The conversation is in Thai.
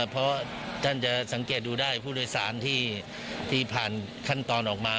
เพราะท่านจะสังเกตดูได้ผู้โดยสารที่ผ่านขั้นตอนออกมา